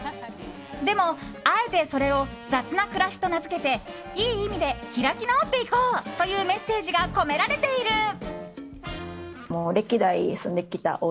でも、あえてそれを雑なくらしと名付けていい意味で開き直っていこうというメッセージが込められている。